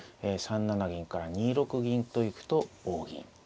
３七銀から２六銀と行くと棒銀。